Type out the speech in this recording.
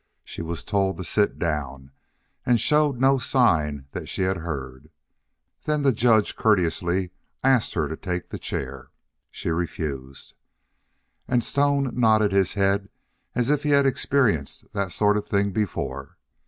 She was told to sit down, and showed no sign that she had heard. Then the judge courteously asked her to take the chair. She refused. And Stone nodded his head as if he had experienced that sort of thing before.